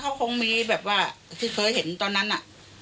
เขาคงมีแบบว่าที่เคยเห็นตอนนั้นน่ะ